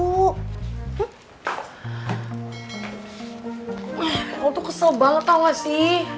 eh kamu tuh kesel banget tau gak sih